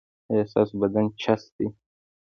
ایا ستاسو بدن چست دی؟